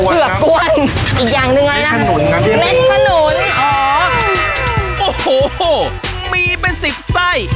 เผื่อกวนอีกอย่างหนึ่งอะไรนะแม่ขนุนแม่ขนุนอ๋อโอ้โหมีเป็นสิบไส้